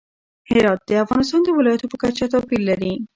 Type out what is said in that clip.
هرات د افغانستان د ولایاتو په کچه توپیر لري.